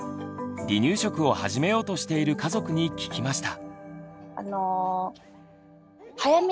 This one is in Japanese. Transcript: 離乳食を始めようとしている家族に聞きました。